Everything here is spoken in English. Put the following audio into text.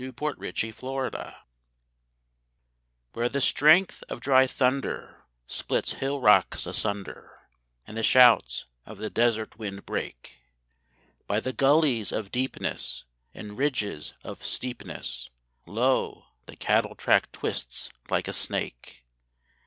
On a Cattle Track Where the strength of dry thunder splits hill rocks asunder, And the shouts of the desert wind break, By the gullies of deepness and ridges of steepness, Lo, the cattle track twists like a snake!